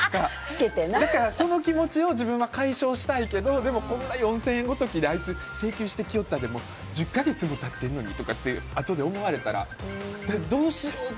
だから、その気持ちを自分は解消したいけどでも、こんな４０００円ごときであいつ請求してきおったで１０か月も経ってるのにってあとで思われたらどうしようって。